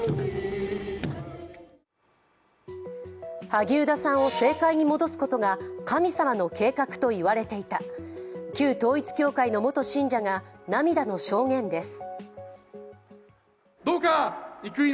萩生田さんを政界に戻すことが神様の計画といわれていた、旧統一教会の元信者が涙の証言です。